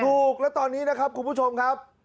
ถูกแล้วตอนนี้นะครับคุณผู้ชมครับ